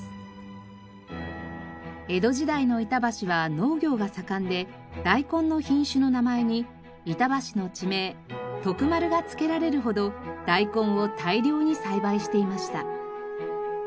江戸時代の板橋は農業が盛んで大根の品種の名前に板橋の地名「徳丸」がつけられるほど大根を大量に栽培していました。